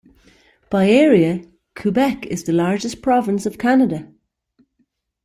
By area, Quebec is the largest province of Canada.